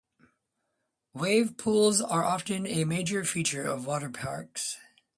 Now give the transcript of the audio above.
Wave pools are often a major feature of water parks.